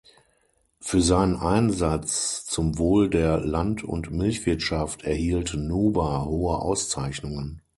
Für seinen Einsatz zum Wohl der Land- und Milchwirtschaft erhielt Nuber hohe Auszeichnungen.